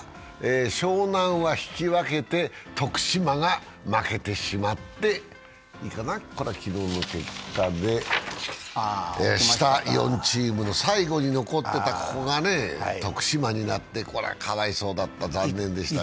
湘南は引き分けて徳島が負けてしまって、これは昨日の結果で、下４チームの最後に残っていたここがね、徳島になって、これはかわいそうだった、残念でしたね。